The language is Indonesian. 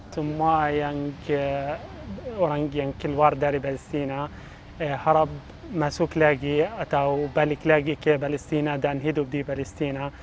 semua yang orang yang keluar dari palestina harap masuk lagi atau balik lagi ke palestina dan hidup di palestina